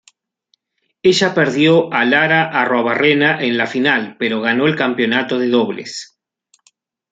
Ella perdió a Lara Arruabarrena en la final, pero ganó el campeonato de dobles.